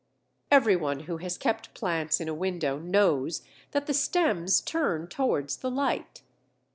Every one who has kept plants in a window knows that the stems turn towards the light.